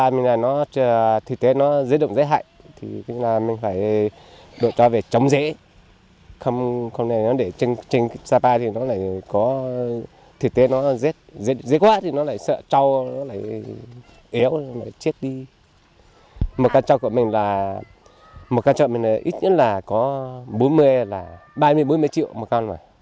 một đàn trâu của mình là ít nhất là có ba mươi bốn mươi triệu một con